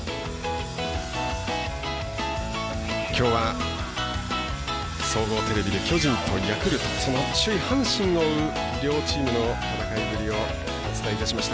きょうは総合テレビで巨人とヤクルト首位、阪神を追う両チームの戦いぶりをお伝えいたしました。